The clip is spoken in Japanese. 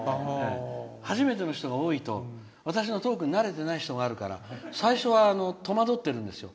初めての人が多いと私のトークに慣れてないから最初は戸惑ってるんですよ。